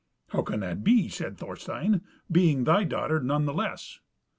"How can that be," says Thorstein, "being thy daughter none the less?"